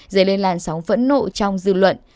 dây lên làn sóng phẫn nộ trong dư luận